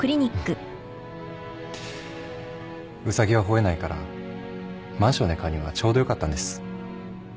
ウサギは吠えないからマンションで飼うにはちょうどよかったんです。